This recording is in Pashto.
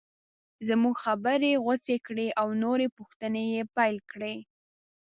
زموږ خبرې یې غوڅې کړې او نورې پوښتنې یې پیل کړې.